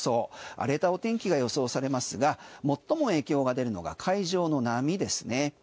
荒れたお天気が予想されますが最も影響が出るのが海上の波ですね。